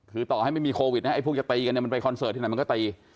คือต่อให้ไม่มีโควิดนะไอ้พวกจะตีกันเนี่ยมันไปคอนเสิร์ตที่ไหนมันก็ตี